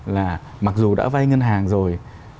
là mặc dù đã vay ngân hàng rồi